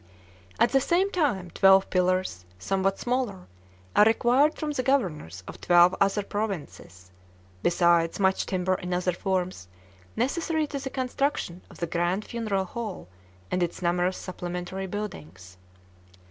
At the same time twelve pillars, somewhat smaller, are required from the governors of twelve other provinces; besides much timber in other forms necessary to the construction of the grand funeral hall and its numerous supplementary buildings.